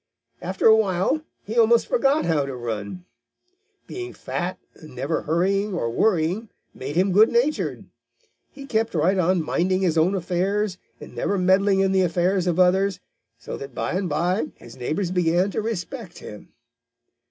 After a while he almost forgot how to run. Being fat and never hurrying or worrying made him good natured. He kept right on minding his own affairs and never meddling in the affairs of others, so that by and by his neighbors began to respect him.